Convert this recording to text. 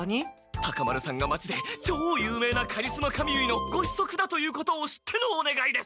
タカ丸さんが町で超有名なカリスマ髪結いのご子息だいうことを知ってのおねがいです！